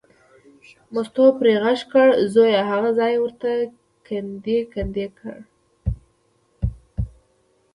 مستو پرې غږ کړ، زویه هغه ځای یې ورته کندې کندې کړ.